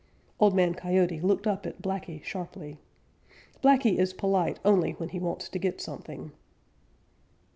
Old Man Coyote looked up at Blacky sharply. Blacky is polite only when he wants to get something.